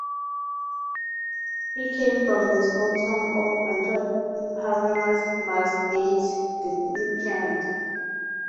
He came from the small town of Bontod in Palanas, Masbate, the Philippines.